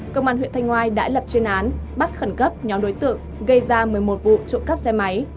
công an huyện thanh ngoai đã lập chuyên án bắt khẩn cấp nhóm đối tượng gây ra một mươi một vụ trộm cắp xe máy